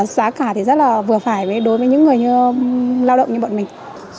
giá cả thì rất là vừa phải đối với những người lao động như bọn mình